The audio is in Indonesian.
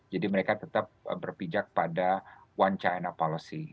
jadi mereka tetap berpijak pada one china policy